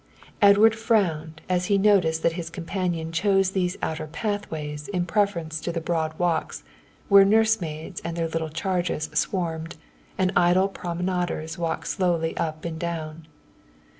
Edward frowned as he noticed that his companion chose these outer pathways in preference to the broad walks, where nursemaids and their little charges swarmed and idle promenaders walked slowly up and down.